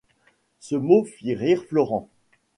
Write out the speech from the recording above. Ce mot fit rire Florent.